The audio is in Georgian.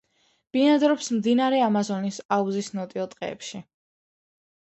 ბინადრობს მდინარე ამაზონის აუზის ნოტიო ტყეებში.